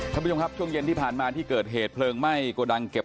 ท่านผู้ชมครับช่วงเย็นที่ผ่านมาที่เกิดเหตุเพลิงไหม้โกดังเก็บ